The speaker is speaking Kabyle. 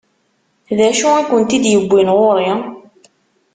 D acu i kent-id-iwwin ɣur-i?